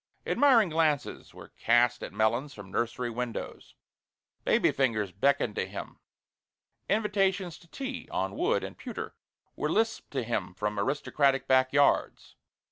Admiring glances were cast at Melons from nursery windows. Baby fingers beckoned to him. Invitations to tea (on wood and pewter) were lisped to him from aristocratic back yards.